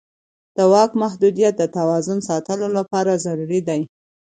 د واک محدودیت د توازن ساتلو لپاره ضروري دی